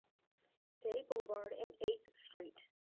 Day Boulevard and Eighth Street.